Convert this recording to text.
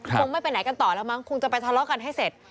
คงไม่ไปไหนกันต่อแล้วมั้งคงจะไปทะเลาะกันให้เสร็จ